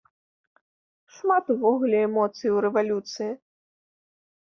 Шмат, увогуле, эмоцый у рэвалюцыі.